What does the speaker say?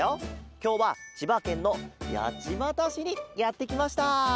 きょうはちばけんのやちまたしにやってきました。